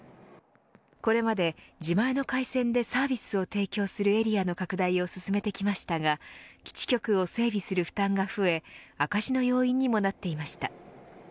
これまで、自前の回線でサービスを提供するエリアの拡大を進めてきましたが基地局を整備する負担が増え赤字の要因にもなっていました。